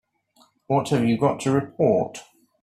What have you got to report?